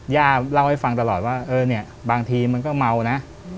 ย่าเล่าให้ฟังตลอดว่าเออเนี่ยบางทีมันก็เมานะ